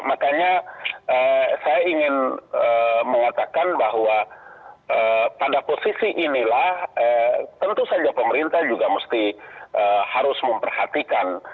makanya saya ingin mengatakan bahwa pada posisi inilah tentu saja pemerintah juga mesti harus memperhatikan